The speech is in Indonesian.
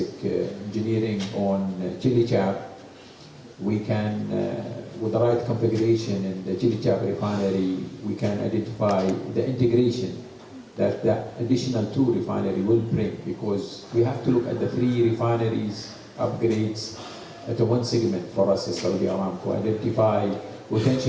kita ingin mengembangkan dan mengembangkan kedua duanya